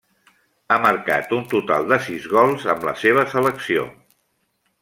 Ha marcat un total de sis gols amb la seva selecció.